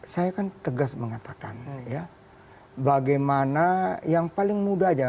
saya kan tegas mengatakan bagaimana yang paling mudah aja